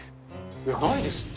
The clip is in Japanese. いや、ないですって。